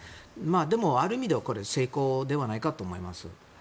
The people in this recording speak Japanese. でも、ある意味ではこれは成功ではないかと思います。